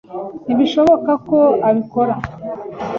Ntibishoboka ko abikora.